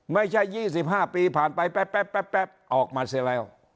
ไม่ใช่๒๕ปีผ่านไปแป๊บออกมาเสร็จแล้ว